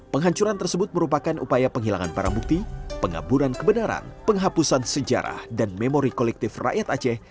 penghancuran tersebut merupakan upaya penghilangan barang bukti pengaburan kebenaran penghapusan sejarah dan memori kolektif rakyat aceh